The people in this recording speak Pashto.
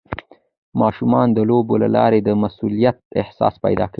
ماشومان د لوبو له لارې د مسؤلیت احساس پیدا کوي.